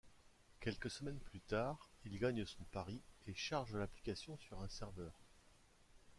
Quelques semaines plus tard, il gagne son pari et charge l'application sur un serveur.